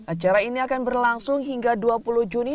acara ini akan berlangsung hingga dua puluh juni